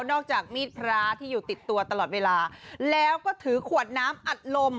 อกจากมีดพระที่อยู่ติดตัวตลอดเวลาแล้วก็ถือขวดน้ำอัดลม